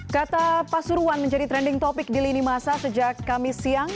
kata pasuruan menjadi trending topic di lini masa sejak kamis siang